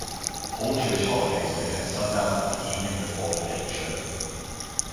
All Jewish holidays begin at sundown on the evening before the date shown.